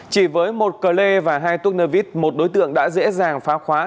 chỉ với một cờ lê và hai túc nơ vít một đối tượng đã dễ dàng phá khóa